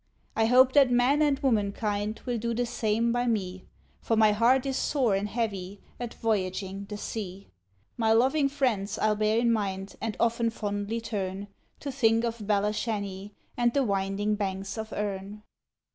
I hope that man and womankind will do the same by me; For my heart is sore and heavy at voyaging the sea. My loving friends I'll bear in mind, and often fondly turn To think of Belashanny, and the winding banks of Erne.